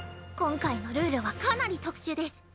今回のルールはかなり特殊デス。